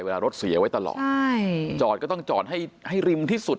เวลารถเสียไว้ตลอดจอดก็ต้องจอดให้ริมที่สุด